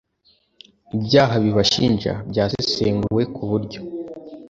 ibyaha bibashinja byasesenguwe ku buryo